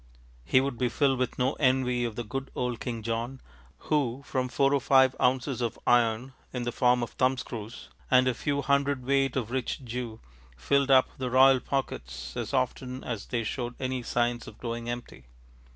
He would be filled with no envy of the good old King John, who, from four or five ounces of iron in the form of thumb screws, and a few hundredweight of rich Jew, filled up the royal pockets as often as they showed any signs of growing empty.